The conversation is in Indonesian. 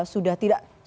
sudah terus melambangkan